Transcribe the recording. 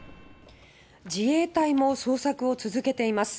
自衛隊も捜索を続けています。